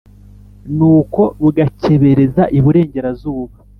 Nuko rugakebereza iburengerazuba